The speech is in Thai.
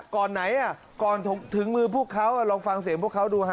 ก่อนไหนก่อนถึงมือพวกเขาลองฟังเสียงพวกเขาดูฮะ